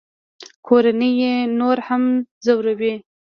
کورنۍ یې نور هم ځوروي